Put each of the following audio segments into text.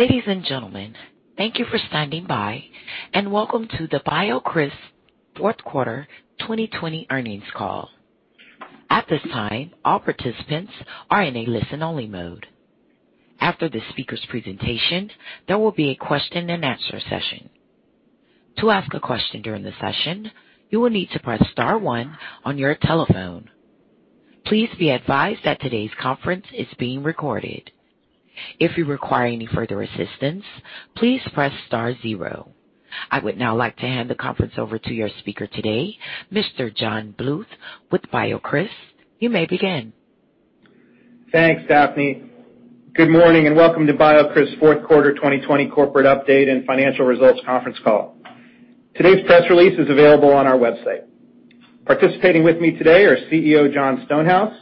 Ladies and gentlemen, thank you for standing by, and welcome to the BioCryst fourth quarter 2020 earnings call. At this time, all participants are in a listen-only mode. After the speaker's presentation, there will be a question and answer session. To ask a question during the session, you will need to press star one on your telephone. Please be advised that today's conference is being recorded. If you require any further assistance, please press star zero. I would now like to hand the conference over to your speaker today, Mr. John Bluth with BioCryst. You may begin. Thanks, Daphne. Good morning and welcome to BioCryst's fourth quarter 2020 corporate update and financial results conference call. Today's press release is available on our website. Participating with me today are CEO Jon Stonehouse,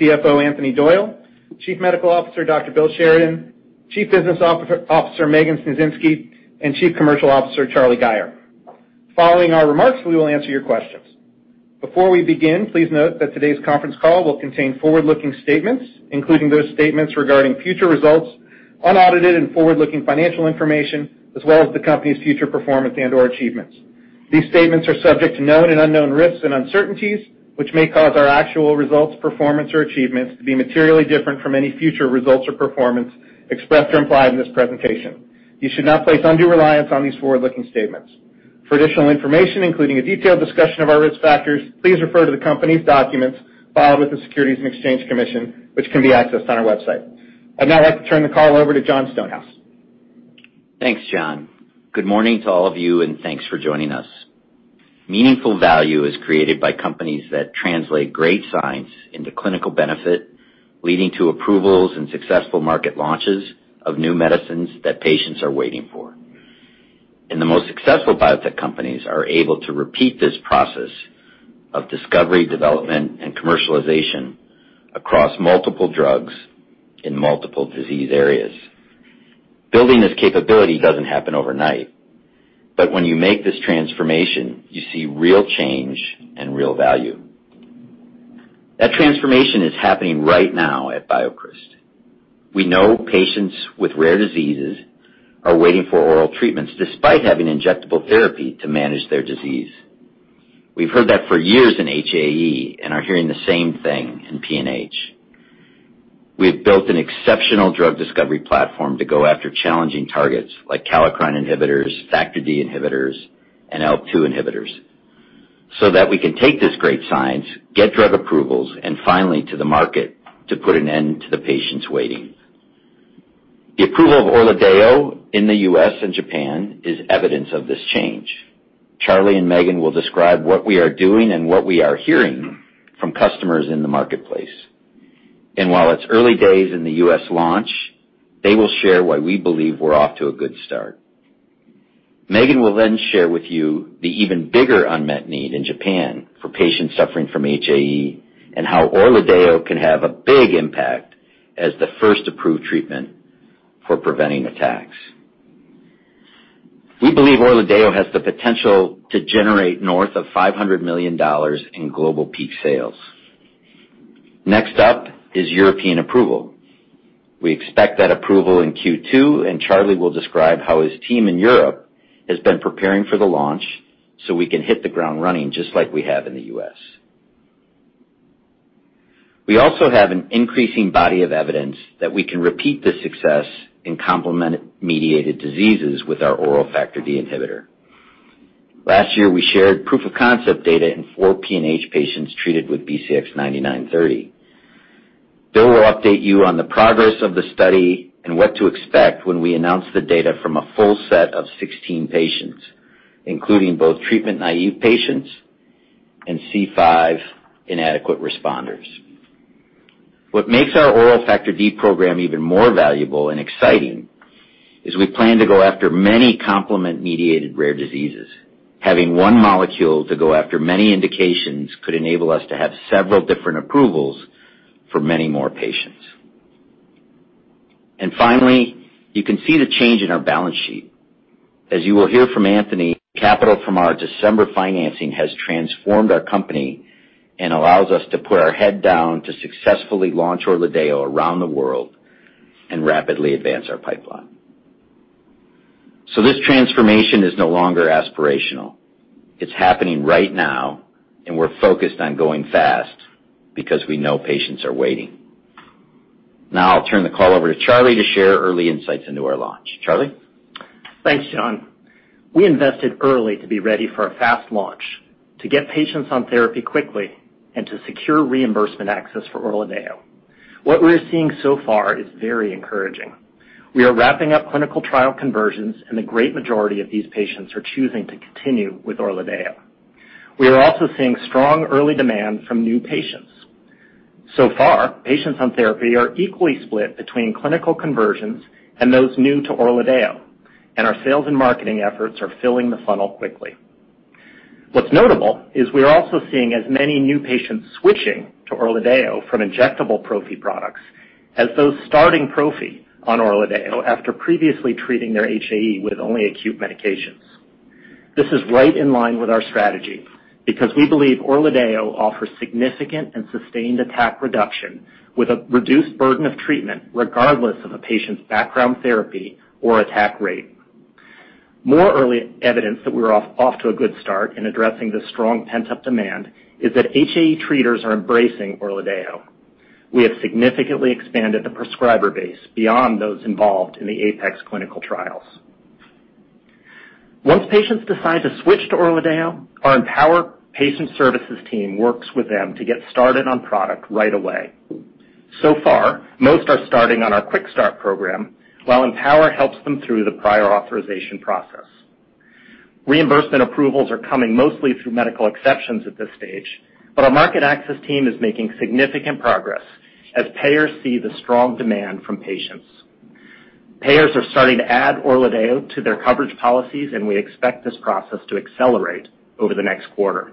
CFO Anthony Doyle, Chief Medical Officer Dr. Bill Sheridan, Chief Business Officer Megan Sniecinski, and Chief Commercial Officer Charlie Gayer. Following our remarks, we will answer your questions. Before we begin, please note that today's conference call will contain forward-looking statements, including those statements regarding future results, unaudited and forward-looking financial information, as well as the company's future performance and/or achievements. These statements are subject to known and unknown risks and uncertainties, which may cause our actual results, performance, or achievements to be materially different from any future results or performance expressed or implied in this presentation. You should not place undue reliance on these forward-looking statements. For additional information, including a detailed discussion of our risk factors, please refer to the company's documents filed with the Securities and Exchange Commission, which can be accessed on our website. I'd now like to turn the call over to Jon Stonehouse. Thanks, John. Good morning to all of you; thanks for joining us. Meaningful value is created by companies that translate great science into clinical benefit, leading to approvals and successful market launches of new medicines that patients are waiting for. The most successful biotech companies are able to repeat this process of discovery, development, and commercialization across multiple drugs in multiple disease areas. Building this capability doesn't happen overnight. When you make this transformation, you see real change and real value. That transformation is happening right now at BioCryst. We know patients with rare diseases are waiting for oral treatments despite having injectable therapy to manage their disease. We've heard that for years in HAE and are hearing the same thing in PNH. We have built an exceptional drug discovery platform to go after challenging targets like kallikrein inhibitors, Factor D inhibitors, and ALK2 inhibitors so that we can take this great science, get drug approvals, and finally to the market to put an end to the patients waiting. The approval of ORLADEYO in the U.S. and Japan is evidence of this change. Charlie and Megan will describe what we are doing and what we are hearing from customers in the marketplace. While it's early days in the U.S. launch, they will share why we believe we're off to a good start. Megan will then share with you the even bigger unmet need in Japan for patients suffering from HAE and how ORLADEYO can have a big impact as the first approved treatment for preventing attacks. We believe ORLADEYO has the potential to generate north of $500 million in global peak sales. Next up is European approval. We expect that approval in Q2. Charlie will describe how his team in Europe has been preparing for the launch so we can hit the ground running just like we have in the U.S. We also have an increasing body of evidence that we can repeat this success in complement-mediated diseases with our oral Factor D inhibitor. Last year, we shared proof-of-concept data in four PNH patients treated with BCX9930. Bill will update you on the progress of the study and what to expect when we announce the data from a full set of 16 patients, including both treatment-naive patients and C5-inadequate responders. What makes our oral Factor D program even more valuable and exciting is we plan to go after many complement-mediated rare diseases. Having one molecule to go after many indications could enable us to have several different approvals for many more patients. Finally, you can see the change in our balance sheet. As you will hear from Anthony, capital from our December financing has transformed our company and allows us to put our head down to successfully launch ORLADEYO around the world and rapidly advance our pipeline. This transformation is no longer aspirational. It's happening right now, and we're focused on going fast because we know patients are waiting. Now I'll turn the call over to Charlie to share early insights into our launch. Charlie? Thanks, Jon. We invested early to be ready for a fast launch, to get patients on therapy quickly, and to secure reimbursement access for ORLADEYO. What we're seeing so far is very encouraging. We are wrapping up clinical trial conversions, and the great majority of these patients are choosing to continue with ORLADEYO. We are also seeing strong early demand from new patients. So far, patients on therapy are equally split between clinical conversions and those new to ORLADEYO, and our sales and marketing efforts are filling the funnel quickly. What's notable is we are also seeing as many new patients switching to ORLADEYO from injectable Prophy products as those starting Prophy on ORLADEYO after previously treating their HAE with only acute medications. This is right in line with our strategy because we believe ORLADEYO offers significant and sustained attack reduction with a reduced burden of treatment, regardless of a patient's background therapy or attack rate. More early evidence that we're off to a good start in addressing the strong pent-up demand is that HAE treaters are embracing ORLADEYO. We have significantly expanded the prescriber base beyond those involved in the APEX clinical trials. Once patients decide to switch to ORLADEYO, our Empower Patient Services team works with them to get started on product right away. So far, most are starting on our Quick Start Program, while Empower helps them through the prior authorization process. Reimbursement approvals are coming mostly through medical exceptions at this stage, but our market access team is making significant progress as payers see the strong demand from patients. Payers are starting to add ORLADEYO to their coverage policies, and we expect this process to accelerate over the next quarter.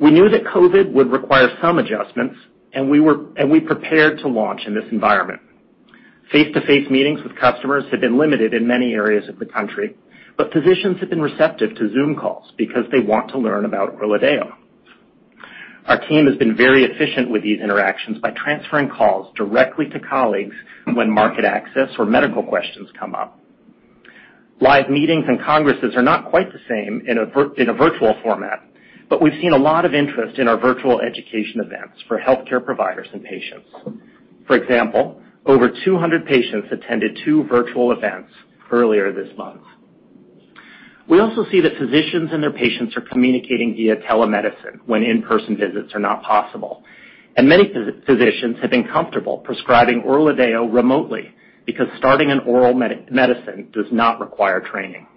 We knew that COVID would require some adjustments, and we prepared to launch in this environment. Face-to-face meetings with customers have been limited in many areas of the country, but physicians have been receptive to Zoom calls because they want to learn about ORLADEYO. Our team has been very efficient with these interactions by transferring calls directly to colleagues when market access or medical questions come up. Live meetings and congresses are not quite the same in a virtual format, but we've seen a lot of interest in our virtual education events for healthcare providers and patients. For example, over 200 patients attended two virtual events earlier this month. We also see that physicians and their patients are communicating via telemedicine when in-person visits are not possible, and many physicians have been comfortable prescribing ORLADEYO remotely because starting an oral medicine does not require training.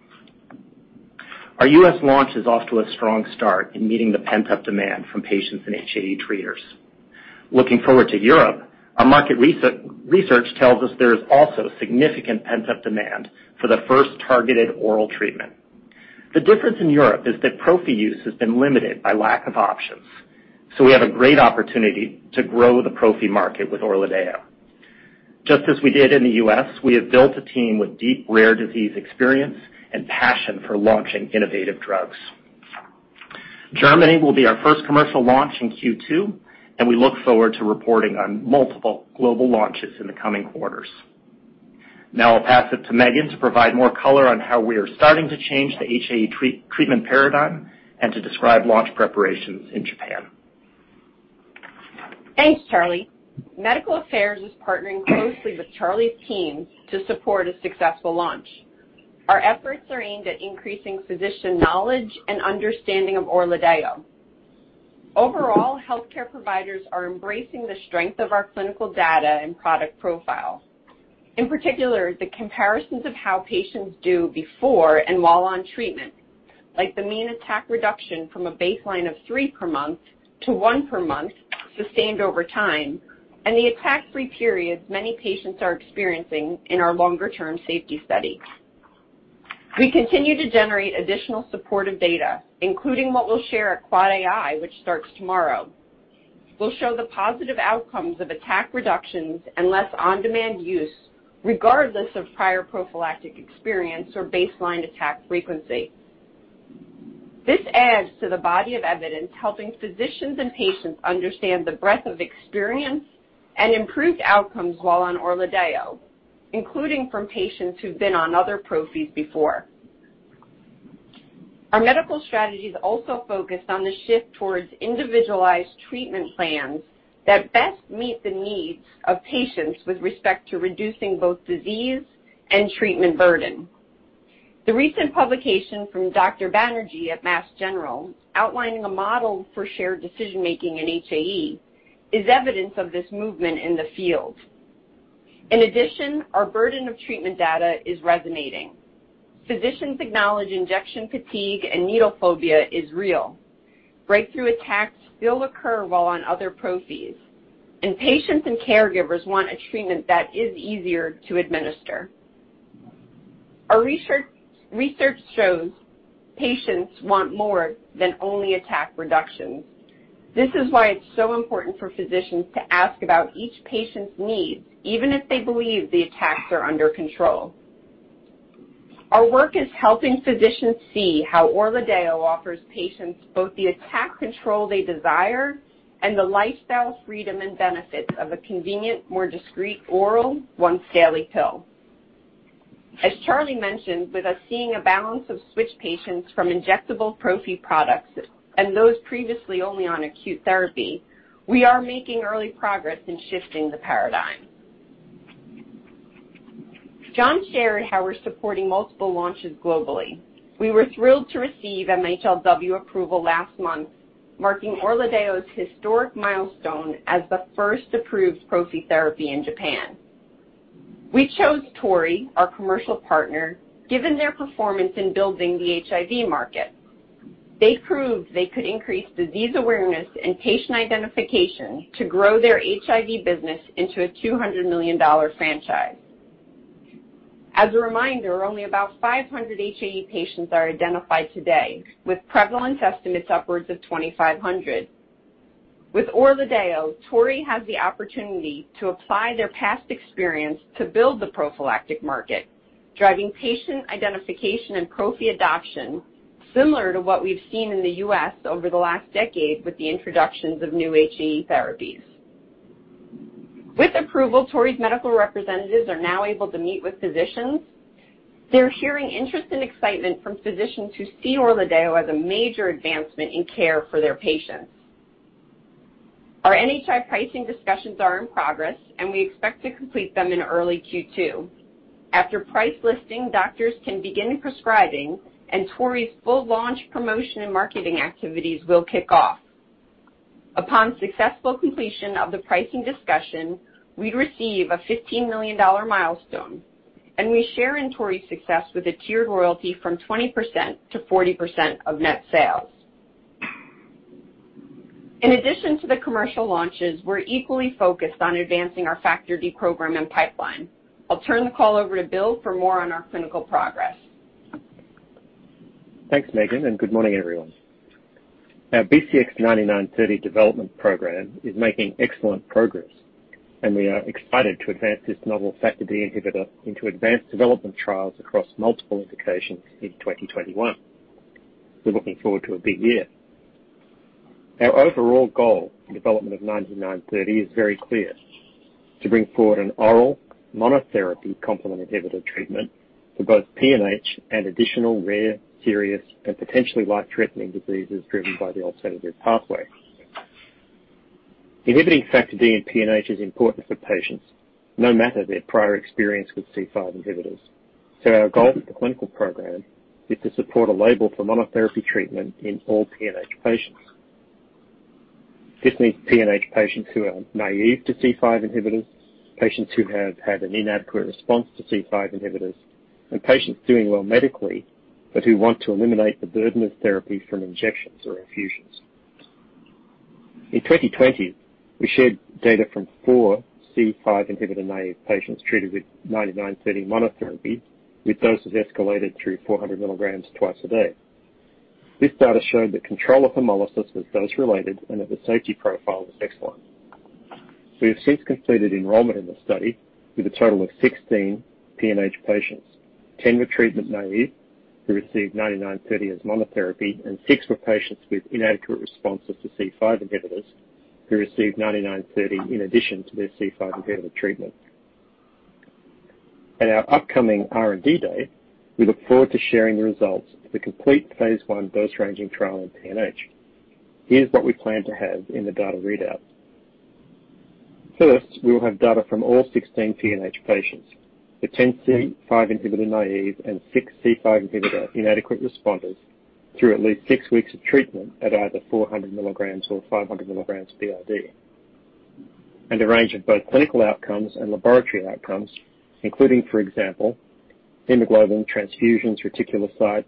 Our U.S. launch is off to a strong start in meeting the pent-up demand from patients and HAE treaters. Looking forward to Europe, our market research tells us there is also significant pent-up demand for the first targeted oral treatment. The difference in Europe is that prophy use has been limited by lack of options, so we have a great opportunity to grow the prophy market with ORLADEYO. Just as we did in the U.S., we have built a team with deep rare disease experience and passion for launching innovative drugs. Germany will be our first commercial launch in Q2, and we look forward to reporting on multiple global launches in the coming quarters. Now I'll pass it to Megan to provide more color on how we are starting to change the HAE treatment paradigm and to describe launch preparations in Japan. Thanks, Charlie. Medical Affairs is partnering closely with Charlie's team to support a successful launch. Our efforts are aimed at increasing physician knowledge and understanding of ORLADEYO. Overall, healthcare providers are embracing the strength of our clinical data and product profile. In particular, the comparisons of how patients do before and while on treatment, like the mean attack reduction from a baseline of three per month to one per month sustained over time, and the attack-free periods many patients are experiencing in our longer-term safety studies. We continue to generate additional supportive data, including what we'll share at AAAAI, which starts tomorrow. We'll show the positive outcomes of attack reductions and less on-demand use regardless of prior prophylactic experience or baseline attack frequency. This adds to the body of evidence helping physicians and patients understand the breadth of experience and improved outcomes while on ORLADEYO, including from patients who've been on other prophy before. Our medical strategy is also focused on the shift towards individualized treatment plans that best meet the needs of patients with respect to reducing both disease and treatment burden. The recent publication from Dr. Banerji at Massachusetts General Hospital outlining a model for shared decision-making in HAE is evidence of this movement in the field. In addition, our burden of treatment data is resonating. Physicians acknowledge injection fatigue and needle phobia is real. Breakthrough attacks still occur while on other Prophys, and patients and caregivers want a treatment that is easier to administer. Our research shows patients want more than only attack reductions. This is why it's so important for physicians to ask about each patient's needs, even if they believe the attacks are under control. Our work is helping physicians see how ORLADEYO offers patients both the attack control they desire and the lifestyle freedom and benefits of a convenient, more discreet oral once-daily pill. As Charlie mentioned, with us seeing a balance of switch patients from injectable Prophy products and those previously only on acute therapy, we are making early progress in shifting the paradigm. Jon shared how we're supporting multiple launches globally. We were thrilled to receive MHLW approval last month, marking ORLADEYO's historic milestone as the first approved Prophy therapy in Japan. We chose Torii, our commercial partner, given their performance in building the HIV market. They proved they could increase disease awareness and patient identification to grow their HIV business into a $200 million franchise. As a reminder, only about 500 HAE patients are identified today, with prevalence estimates upwards of 2,500. With ORLADEYO, Torii has the opportunity to apply their past experience to build the prophylactic market, driving patient identification and prophy adoption, similar to what we've seen in the U.S. over the last decade with the introductions of new HAE therapies. With approval, Torii's medical representatives are now able to meet with physicians. They're hearing interest and excitement from physicians who see ORLADEYO as a major advancement in care for their patients. Our NHI pricing discussions are in progress, and we expect to complete them in early Q2. After price listing, doctors can begin prescribing, and Torii's full launch promotion and marketing activities will kick off. Upon successful completion of the pricing discussion, we'd receive a $15 million milestone, and we share in Torii's success with a tiered royalty from 20%-40% of net sales. In addition to the commercial launches, we're equally focused on advancing our Factor D program and pipeline. I'll turn the call over to Bill for more on our clinical progress. Thanks, Megan, and good morning, everyone. Our BCX9930 development program is making excellent progress, and we are excited to advance this novel Factor D inhibitor into advanced development trials across multiple indications in 2021. We're looking forward to a big year. Our overall goal in the development of 9930 is very clear: to bring forward an oral monotherapy complement inhibitor treatment for both PNH and additional rare, serious, and potentially life-threatening diseases driven by the alternative pathway. Inhibiting Factor D in PNH is important for patients, no matter their prior experience with C5 inhibitors. Our goal with the clinical program is to support a label for monotherapy treatment in all PNH patients. This means PNH patients who are naive to C5 inhibitors, patients who have had an inadequate response to C5 inhibitors, and patients doing well medically but who want to eliminate the burden of therapy from injections or infusions. In 2020, we shared data from four C5 inhibitor-naive patients treated with 9930 monotherapy with doses escalated through 400 milligrams twice a day. This data showed that control of hemolysis was dose-related and that the safety profile was excellent. We have since completed enrollment in the study with a total of 16 PNH patients. Ten were treatment naive, who received 9930 as monotherapy, and six were patients with inadequate responses to C5 inhibitors who received 9930 in addition to their C5 inhibitor treatment. At our upcoming R&D Day, we look forward to sharing the results of the complete phase I dose ranging trial in PNH. Here's what we plan to have in the data readout. First, we will have data from all 16 PNH patients, the 10 C5 inhibitor-naive and six C5 inhibitor-inadequate responders, through at least six weeks of treatment at either 400 milligrams or 500 milligrams BID, and a range of both clinical outcomes and laboratory outcomes, including, for example, hemoglobin, transfusions, reticulocytes,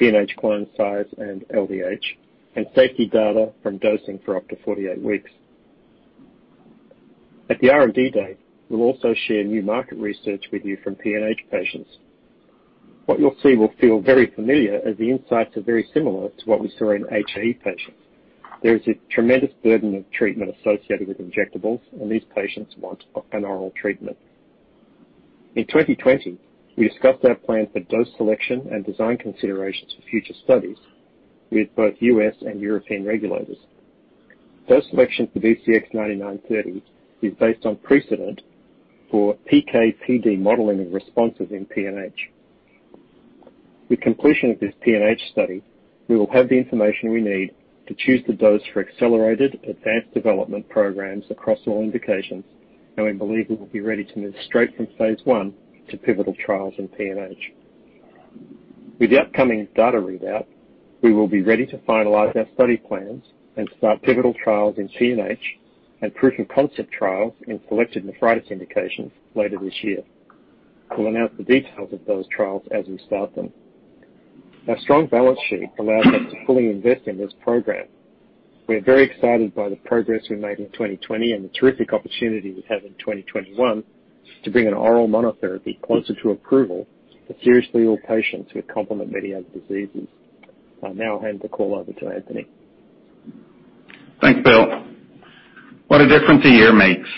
PNH clone size, and LDH, and safety data from dosing for up to 48 weeks. At the R&D Day, we'll also share new market research with you from PNH patients. What you'll see will feel very familiar, as the insights are very similar to what we saw in HAE patients. There is a tremendous burden of treatment associated with injectables, and these patients want an oral treatment. In 2020, we discussed our plan for dose selection and design considerations for future studies with both U.S. and European regulators. Dose selection for BCX9930 is based on precedent for PK/PD modeling and responses in PNH. With completion of this PNH study, we will have the information we need to choose the dose for accelerated advanced development programs across all indications, and we believe we will be ready to move straight from Phase I to pivotal trials in PNH. With the upcoming data readout, we will be ready to finalize our study plans and start pivotal trials in PNH and proof-of-concept trials in selected nephritis indications later this year. We'll announce the details of those trials as we start them. Our strong balance sheet allows us to fully invest in this program. We are very excited by the progress we made in 2020 and the terrific opportunity we have in 2021 to bring an oral monotherapy closer to approval for seriously ill patients with complement-mediated diseases. I'll now hand the call over to Anthony. Thanks, Bill. What a difference a year makes.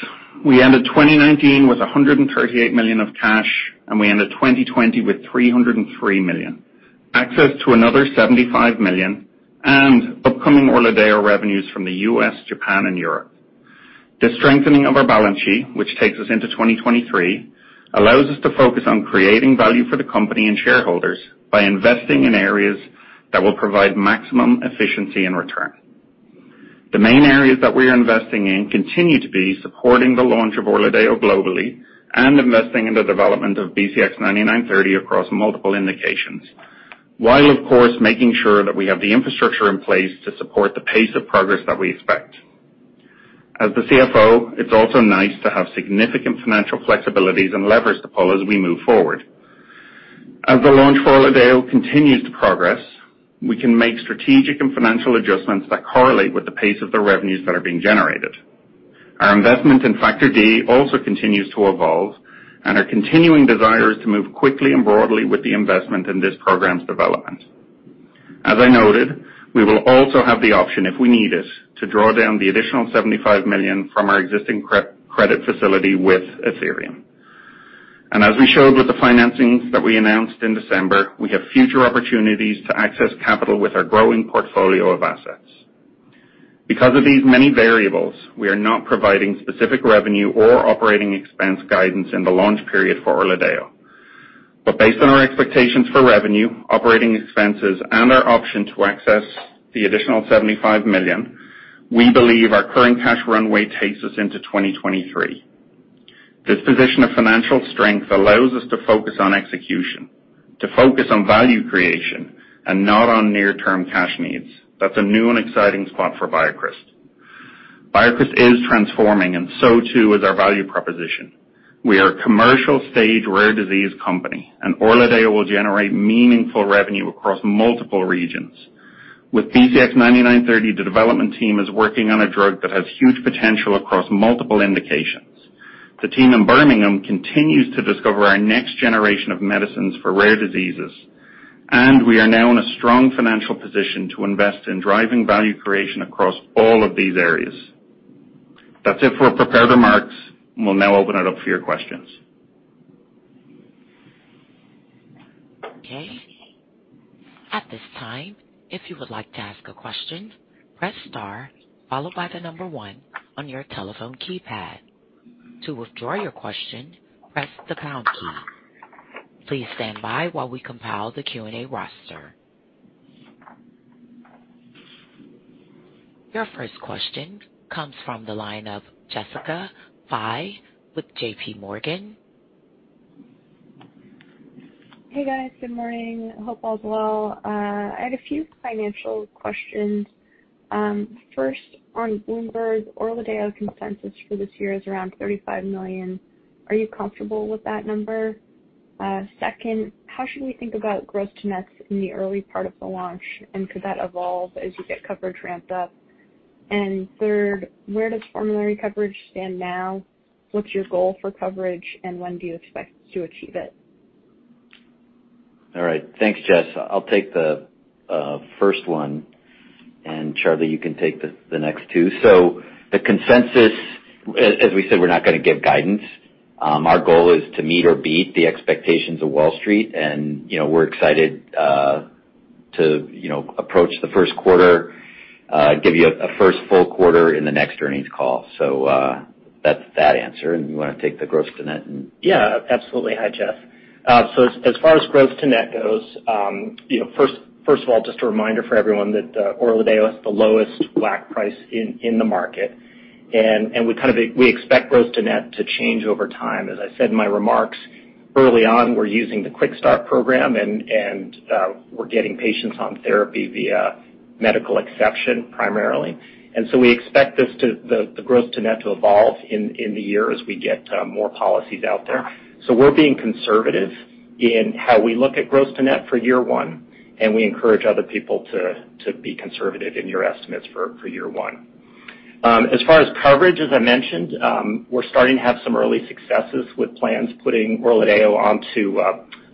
We ended 2019 with $138 million of cash, and we ended 2020 with $303 million, access to another $75 million, and upcoming ORLADEYO revenues from the U.S., Japan, and Europe. The strengthening of our balance sheet, which takes us into 2023, allows us to focus on creating value for the company and shareholders by investing in areas that will provide maximum efficiency and return. The main areas that we are investing in continue to be supporting the launch of ORLADEYO globally and investing in the development of BCX9930 across multiple indications, while, of course, making sure that we have the infrastructure in place to support the pace of progress that we expect. As the CFO, it's also nice to have significant financial flexibility and leverage to pull as we move forward. As the launch for ORLADEYO continues to progress, we can make strategic and financial adjustments that correlate with the pace of the revenues that are being generated. Our investment in Factor D also continues to evolve, and our continuing desire is to move quickly and broadly with the investment in this program's development. As I noted, we will also have the option, if we need it, to draw down the additional $75 million from our existing credit facility with Athyrium. As we showed with the financings that we announced in December, we have future opportunities to access capital with our growing portfolio of assets. Because of these many variables, we are not providing specific revenue or operating expense guidance in the launch period for ORLADEYO. Based on our expectations for revenue, operating expenses, and our option to access the additional $75 million, we believe our current cash runway takes us into 2023. This position of financial strength allows us to focus on execution, to focus on value creation and not on near-term cash needs. That's a new and exciting spot for BioCryst. BioCryst is transforming, and so too is our value proposition. We are a commercial-stage, rare disease company, and ORLADEYO will generate meaningful revenue across multiple regions. With BCX9930, the development team is working on a drug that has huge potential across multiple indications. The team in Birmingham continues to discover our next generation of medicines for rare diseases, and we are now in a strong financial position to invest in driving value creation across all of these areas. That's it for prepared remarks, and we'll now open it up for your questions. At this time, if you would like to ask a question, press star follow by the number one on your telephone keypad, to withdraw your question press the pound key. Please stand by while we compile the Q&A roster Your first question comes from the line of Jessica Fye with J.P. Morgan. Hey, guys. Good morning. Hope all is well. I had a few financial questions. First, on Bloomberg, ORLADEYO's consensus for this year is around $35 million. Are you comfortable with that number? Second, how should we think about gross to nets in the early part of the launch, and could that evolve as you get coverage ramped up? Third, where does formulary coverage stand now? What's your goal for coverage, and when do you expect to achieve it? All right. Thanks, Jess. I'll take the first one, and Charlie, you can take the next two. The consensus, as we said, we're not going to give guidance. Our goal is to meet or beat the expectations of Wall Street, and we're excited to approach the first quarter and give you a first full quarter in the next earnings call. That's that answer. You want to take the gross to net and— Yeah, absolutely. Hi, Jess. As far as gross to net goes, first of all, just a reminder for everyone that ORLADEYO has the lowest WAC price in the market. We expect gross to net to change over time. As I said in my remarks, early on, we're using the Quick Start program, and we're getting patients on therapy via medical exception primarily. We expect the gross to net to evolve in the year as we get more policies out there. We're being conservative in how we look at gross to net for year one, and we encourage other people to be conservative in your estimates for year one. As far as coverage, as I mentioned, we're starting to have some early successes with plans putting ORLADEYO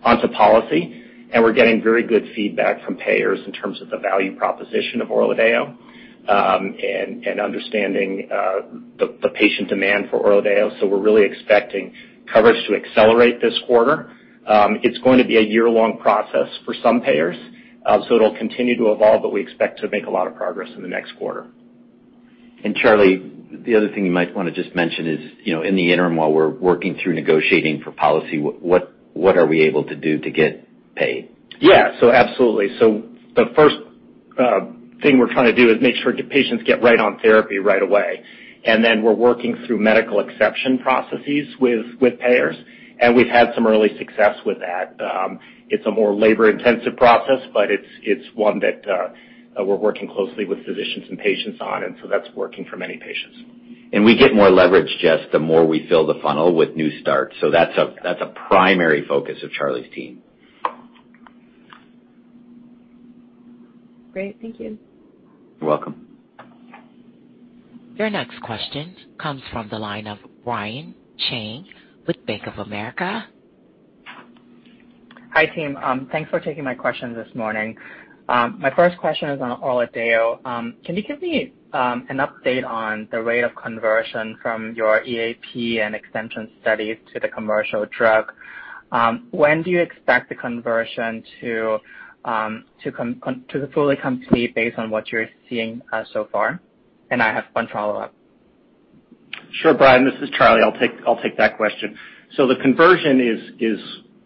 onto policy, and we're getting very good feedback from payers in terms of the value proposition of ORLADEYO and understanding the patient demand for ORLADEYO. We're really expecting coverage to accelerate this quarter. It's going to be a year-long process for some payers, so it'll continue to evolve, but we expect to make a lot of progress in the next quarter. Charlie, the other thing you might want to just mention is, in the interim, while we're working through negotiating for policy, what are we able to do to get paid? Yeah. Absolutely. The first thing we're trying to do is make sure patients get right on therapy right away. Then we're working through medical exception processes with payers, and we've had some early success with that. It's a more labor-intensive process, but it's one that we're working closely with physicians and patients on, and so that's working for many patients. We get more leverage, Jess, the more we fill the funnel with new starts. That's a primary focus of Charlie's team. Great. Thank you. You're welcome. Your next question comes from the line of Brian Chang with Bank of America. Hi, team. Thanks for taking my question this morning. My first question is on ORLADEYO. Can you give me an update on the rate of conversion from your EAP and extension studies to the commercial drug? When do you expect the conversion to fully complete based on what you're seeing so far? I have one follow-up. Sure, Brian. This is Charlie. I'll take that question. The conversion is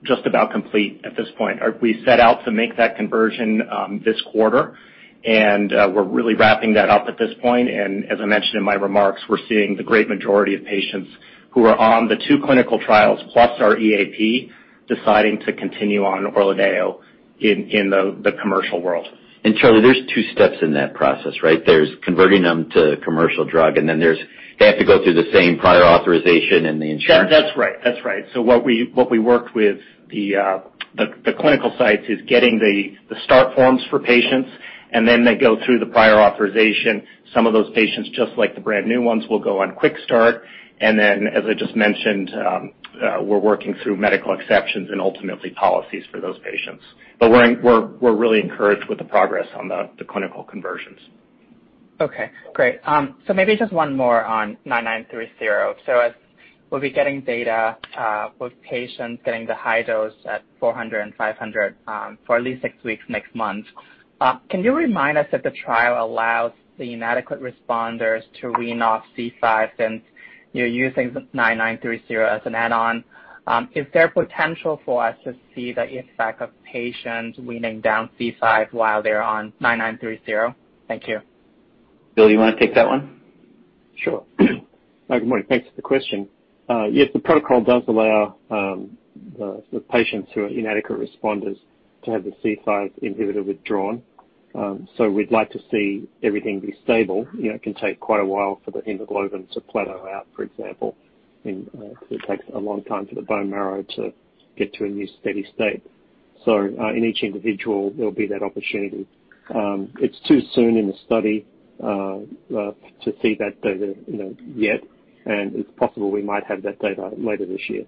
just about complete at this point. We set out to make that conversion this quarter, and we're really wrapping that up at this point. As I mentioned in my remarks, we're seeing the great majority of patients who are on the two clinical trials, plus our EAP, deciding to continue on ORLADEYO in the commercial world. Charlie, there's two steps in that process, right? There's converting them to a commercial drug, and then they have to go through the same prior authorization and the insurance. That's right. What we worked on with the clinical sites is getting the start forms for patients. They go through the prior authorization. Some of those patients, just like the brand-new ones, will go on QuickStart. As I just mentioned, we're working through medical exceptions and ultimately policies for those patients. We're really encouraged with the progress on the clinical conversions. Okay, great. Maybe just one more on 9930. As we'll be getting data with patients getting the high dose at 400 and 500 for at least six weeks next month, can you remind us if the trial allows the inadequate responders to wean off C5 since you're using 9930 as an add-on? Is there potential for us to see the effect of patients weaning down C5 while they're on 9930? Thank you. Bill, you want to take that one? Sure. Hi, good morning. Thanks for the question. Yes, the protocol does allow the patients who are inadequate responders to have the C5 inhibitor withdrawn. So we'd like to see everything be stable. It can take quite a while for the hemoglobin to plateau out, for example, and it takes a long time for the bone marrow to get to a new steady state. So, in each individual, there'll be that opportunity. It's too soon in the study to see that data yet, and it's possible we might have that data later this year.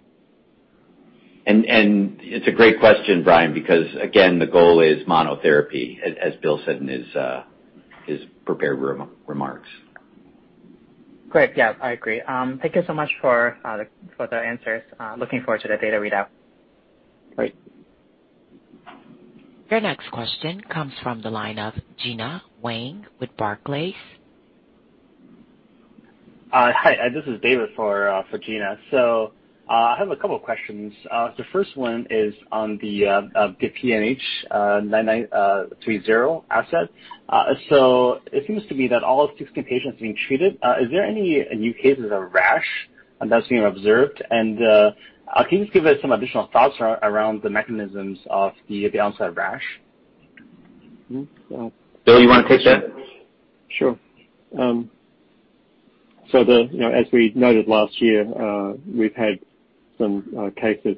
It's a great question, Brian, because again, the goal is monotherapy, as Bill said in his prepared remarks. Great. Yeah, I agree. Thank you so much for the answers. Looking forward to the data readout. Great. Your next question comes from the line of Gena Wang with Barclays. Hi, this is David for Gena. I have a couple of questions. The first one is on the BCX9930 asset. It seems to me that all 16 patients are being treated. Is there any new cases of rash that's being observed? Can you just give us some additional thoughts around the mechanisms of the onset rash? Bill, you want to take that? Sure. As we noted last year, we've had some cases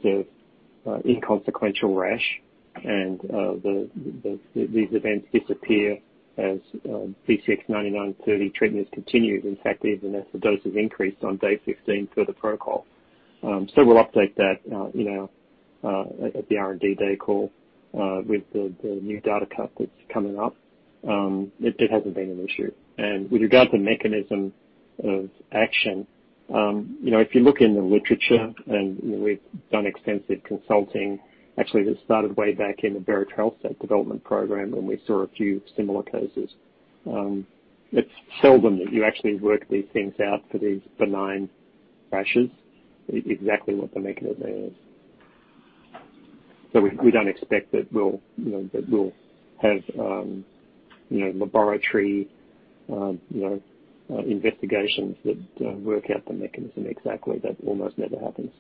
of inconsequential rash. These events disappear as BCX9930 treatment continues. In fact, even as the dose is increased on day 15 per the protocol. We'll update that at the R&D Day call with the new data cut that's coming up. It hasn't been an issue. With regard to mechanism of action, if you look in the literature—and we've done extensive consulting—actually this started way back in the Bariatric Health development program when we saw a few similar cases. It's seldom that you actually work these things out for these benign rashes, exactly. What the mechanism is. We don't expect that we'll have laboratory investigations that work out the mechanism exactly. That almost never happens.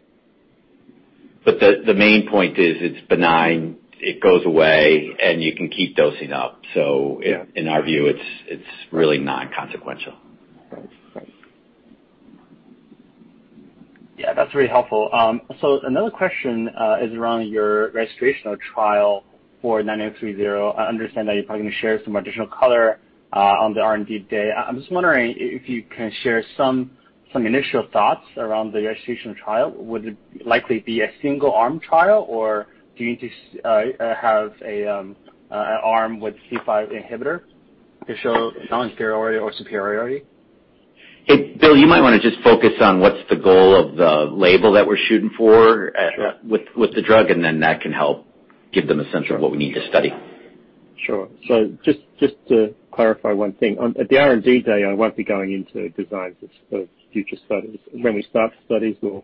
The main point is it's benign, it goes away, and you can keep dosing up. In our view, it's really non-consequential. Yeah, that's very helpful. Another question is around your registrational trial for BCX9930. I understand that you're probably going to share some additional color on the R&D Day. I'm just wondering if you can share some initial thoughts around the registrational trial. Would it likely be a single-arm trial, or do you need to have an arm with C5 inhibitor to show non-inferiority or superiority? Bill, you might want to just focus on what's the goal of the label that we're shooting for with the drug, and then that can help give them a sense of what we need to study. Sure. Just to clarify one thing. At the R&D Day, I won't be going into designs of future studies. When we start studies, we'll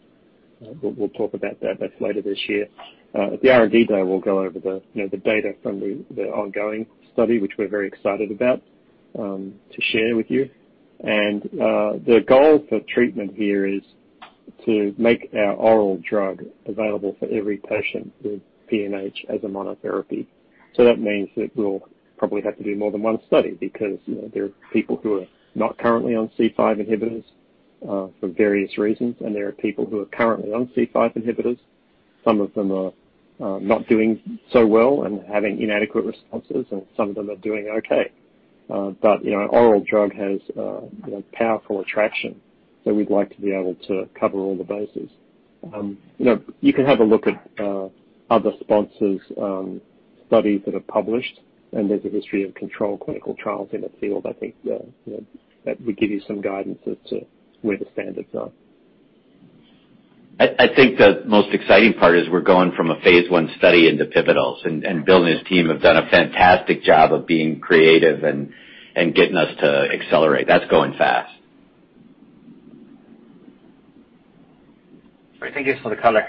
talk about that. That's later this year. At the R&D Day, we'll go over the data from the ongoing study, which we're very excited about to share with you. The goal for treatment here is to make our oral drug available for every patient with PNH as a monotherapy. That means that we'll probably have to do more than one study because there are people who are not currently on C5 inhibitors for various reasons, and there are people who are currently on C5 inhibitors. Some of them are not doing so well and having inadequate responses, and some of them are doing okay. An oral drug has a powerful attraction, so we'd like to be able to cover all the bases. You can have a look at other sponsors' studies that are published, and there's a history of controlled clinical trials in the field. I think that would give you some guidance as to where the standards are. I think the most exciting part is we're going from a phase I study into pivotals. Bill and his team have done a fantastic job of being creative and getting us to accelerate. That's going fast. Great. Thank you for the color.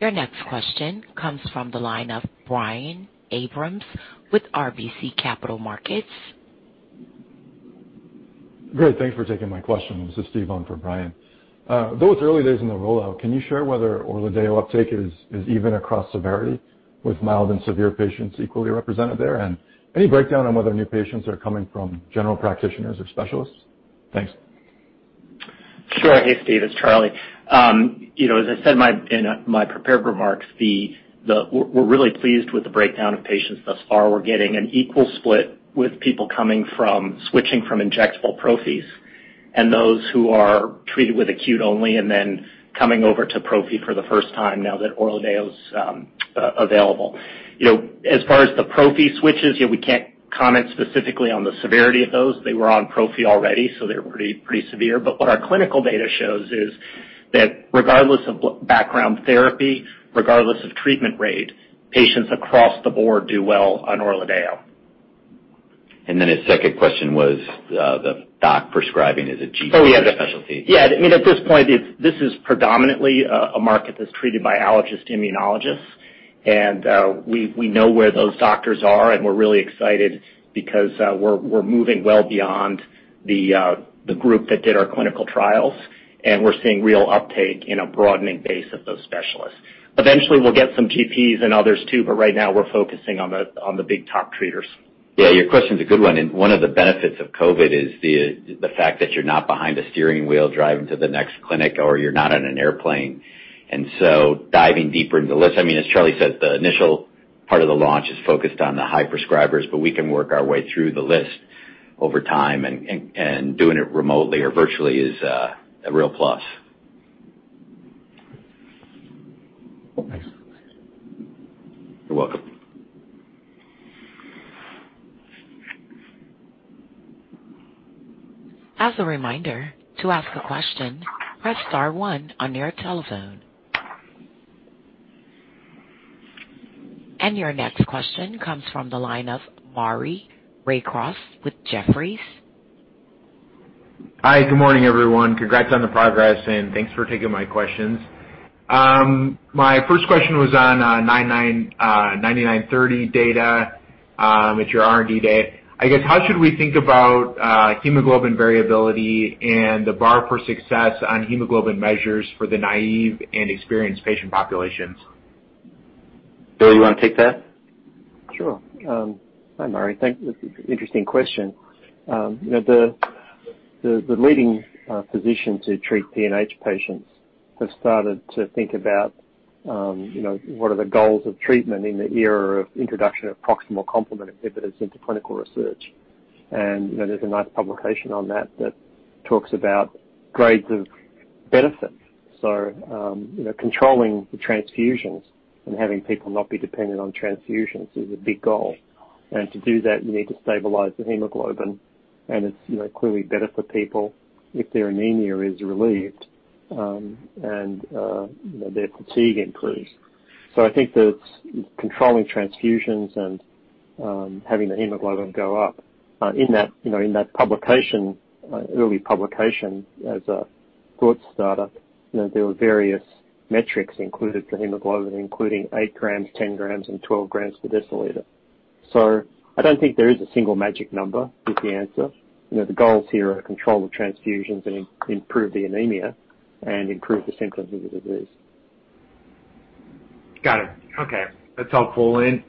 Your next question comes from the line of Brian Abrahams with RBC Capital Markets. Great. Thanks for taking my question. This is Steven on for Brian. Though it's early days in the rollout, can you share whether ORLADEYO uptake is even across severity, with mild and severe patients equally represented there? Any breakdown on whether new patients are coming from general practitioners or specialists? Thanks. Sure. Hey, Steven, it's Charlie. As I said in my prepared remarks, we're really pleased with the breakdown of patients thus far. We're getting an equal split with people switching from injectable Prophy and those who are treated with acute only and then coming over to Prophy for the first time now that ORLADEYO's available. As far as the Prophy switches, we can't comment specifically on the severity of those. They were on Prophy already, so they were pretty severe. What our clinical data shows is that regardless of background therapy, regardless of treatment rate, patients across the board do well on ORLADEYO. His second question was, "The doc prescribing is a GP—" Oh, yeah. specialty. Yeah. At this point, this is predominantly a market that's treated by allergist immunologists. We know where those doctors are, and we're really excited because we're moving well beyond the group that did our clinical trials, and we're seeing real uptake in a broadening base of those specialists. Eventually, we'll get some GPs and others too, but right now we're focusing on the big top treaters. Yeah, your question's a good one of the benefits of COVID is the fact that you're not behind a steering wheel driving to the next clinic, or you're not on an airplane. Diving deeper into the list, as Charlie said, the initial part of the launch is focused on the high prescribers, but we can work our way through the list over time, and doing it remotely or virtually is a real plus. Thanks. You're welcome. As a reminder, to ask a question, press star one on your telephone. Your next question comes from the line of Maury Raycroft with Jefferies. Hi, good morning, everyone. Congrats on the progress, and thanks for taking my questions. My first question was on 9930 data at your R&D day. I guess how should we think about hemoglobin variability and the bar for success on hemoglobin measures for the naive and experienced patient populations? Bill, you want to take that? Sure. Hi, Maury. Thanks. Interesting question. The leading physicians to treat PNH patients have started to think about what are the goals of treatment in the era of the introduction of proximal complement inhibitors into clinical research. There's a nice publication on that that talks about grades of benefits. Controlling the transfusions and having people not be dependent on transfusions is a big goal. To do that, you need to stabilize the hemoglobin, and it's clearly better for people if their anemia is relieved and their fatigue improves. I think that controlling transfusions and having the hemoglobin go up in that early publication as a thought starter, there were various metrics included for hemoglobin, including 8 grams, 10 grams, and 12 grams per deciliter. I don't think there is a single magic number is the answer. The goals here are to control the transfusions and improve the anemia and improve the symptoms of the disease. Got it. Okay. That's helpful. Then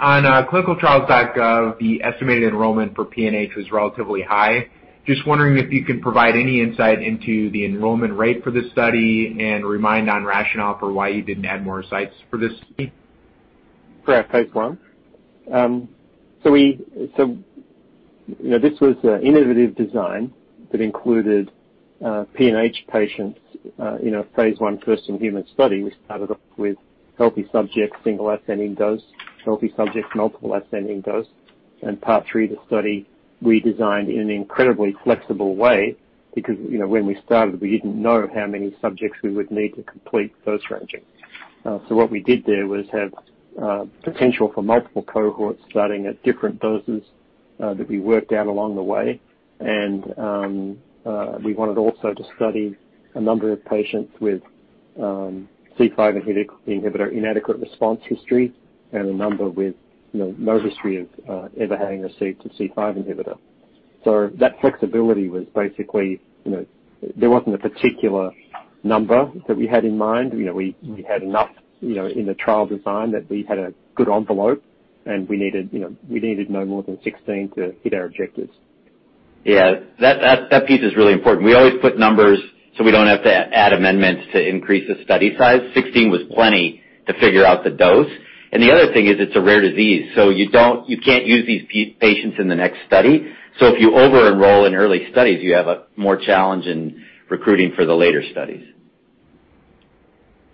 on clinicaltrials.gov, the estimated enrollment for PNH was relatively high. Just wondering if you can provide any insight into the enrollment rate for this study and remind on rationale for why you didn't add more sites for this study. For our phase I? This was an innovative design that included PNH patients in a phase I first-in-human study. We started off with healthy subjects, single ascending dose; healthy subjects, multiple ascending dose. Part 3 of the study redesigned in an incredibly flexible way because when we started, we didn't know how many subjects we would need to complete dose ranging. What we did there was have potential for multiple cohorts starting at different doses that we worked out along the way. We wanted also to study a number of patients with C5 inhibitor inadequate response history and a number with no history of ever having received a C5 inhibitor. That flexibility was basically there wasn't a particular number that we had in mind. We had enough in the trial design that we had a good envelope, and we needed no more than 16 to hit our objectives. Yeah, that piece is really important. We always put numbers so we don't have to add amendments to increase the study size. 16 was plenty to figure out the dose. The other thing is it's a rare disease, so you can't use these patients in the next study. If you overenroll in early studies, you have a more challenge in recruiting for the later studies.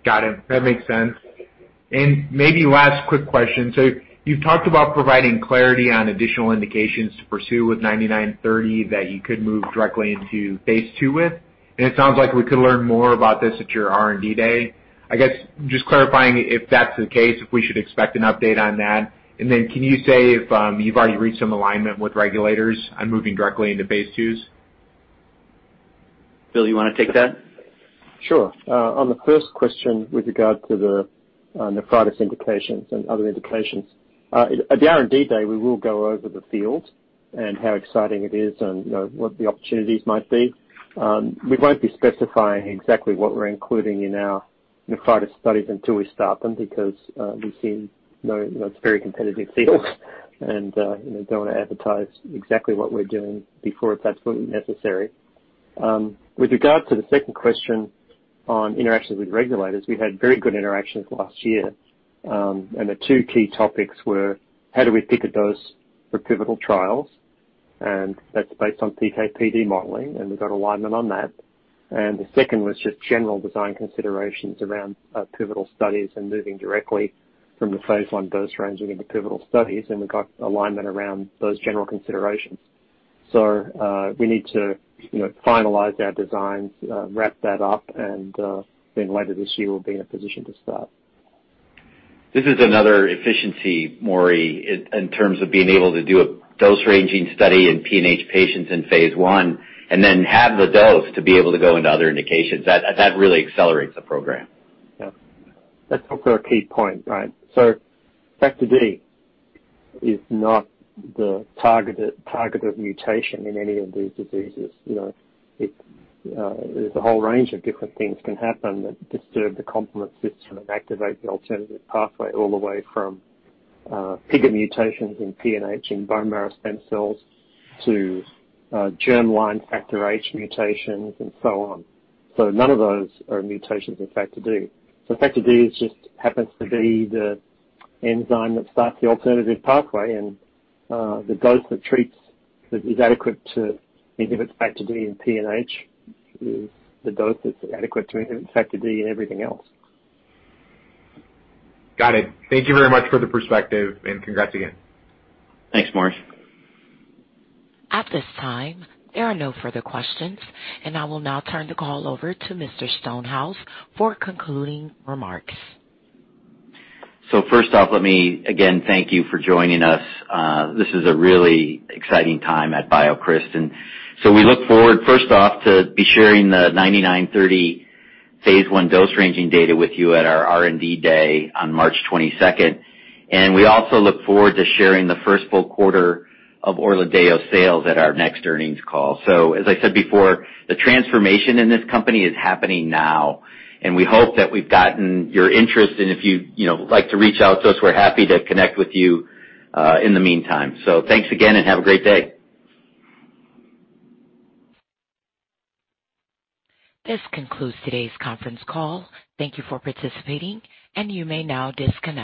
Got it. That makes sense. Maybe last quick question. You've talked about providing clarity on additional indications to pursue with BCX9930 that you could move directly into Phase II with, and it sounds like we could learn more about this at your R&D Day. I guess just clarifying if that's the case, if we should expect an update on that, and then can you say if you've already reached some alignment with regulators on moving directly into Phase IIs? Bill, you want to take that? Sure. On the first question with regard to the nephritis indications and other indications, at the R&D Day, we will go over the field and how exciting it is and what the opportunities might be. We won't be specifying exactly what we're including in our nephritis studies until we start them because it's a very competitive field. Don't want to advertise exactly what we're doing before it's absolutely necessary. With regard to the second question on interactions with regulators, we had very good interactions last year, and the two key topics were how do we pick a dose for pivotal trials and that's based on PK/PD modeling, and we got alignment on that. The second was just general design considerations around pivotal studies and moving directly from the phase I dose ranging into pivotal studies. We got alignment around those general considerations. We need to finalize our designs, wrap that up, and then later this year, we'll be in a position to start. This is another efficiency, Maury, in terms of being able to do a dose-ranging study in PNH patients in phase I and then have the dose to be able to go into other indications. That really accelerates the program. Yeah. Factor D is not the targeted mutation in any of these diseases. There's a whole range of different things can happen that disturb the complement system and activate the alternative pathway, all the way from PIGA mutations in PNH in bone marrow stem cells to germline Factor H mutations and so on. None of those are mutations in Factor D. Factor D just happens to be the enzyme that starts the alternative pathway, and the dose that treats is adequate to inhibit Factor D in PNH is the dose that's adequate to inhibit Factor D in everything else. Got it. Thank you very much for the perspective, and congrats again. Thanks, Maury. At this time, there are no further questions, and I will now turn the call over to Mr. Stonehouse for concluding remarks. First off, let me again thank you for joining us. This is a really exciting time at BioCryst, and so we look forward, first off, to be sharing the 9930 phase I dose-ranging data with you at our R&D Day on March 22nd. We also look forward to sharing the first full quarter of ORLADEYO sales at our next earnings call. As I said before, the transformation in this company is happening now, and we hope that we've gotten your interest, and if you'd like to reach out to us, we're happy to connect with you in the meantime. Thanks again, and have a great day. This concludes today's conference call. Thank you for participating, and you may now disconnect.